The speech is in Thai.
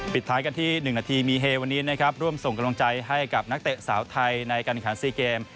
ปิดท้ายกันที่๑นาทีมีเฮวันนี้นะครับร่วมส่งกำลังใจให้กับนักเตะสาวไทยในการขัน๔เกม